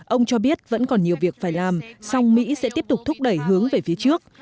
ông cho biết vẫn còn nhiều việc phải làm song mỹ sẽ tiếp tục thúc đẩy hướng về phía trước